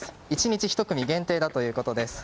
１日１組限定だということです。